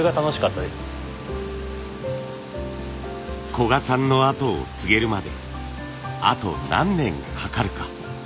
古賀さんの後を継げるまであと何年かかるか。